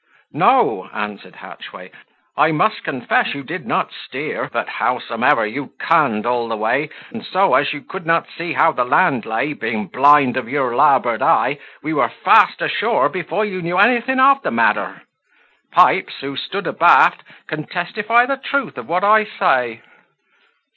"No," answered Hatchway; "I must confess you did not steer; but, howsomever, you cunned all the way, and so, as you could not see how the land lay, being blind of your larboard eye, we were fast ashore before you knew anything of the matter, Pipes, who stood abaft, can testify the truth of what I say."